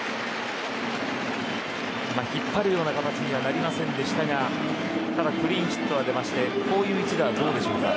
引っ張るような形にはなりませんでしたがただクリーンヒットが出ましてこういう一打はどうでしょうか。